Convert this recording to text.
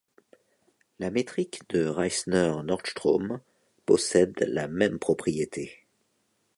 La métrique de Reissner-Nordström possède la même propriété.